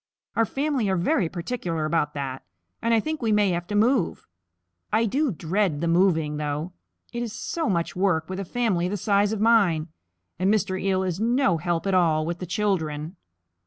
Our family are very particular about that, and I think we may have to move. I do dread the moving, though. It is so much work with a family the size of mine, and Mr. Eel is no help at all with the children."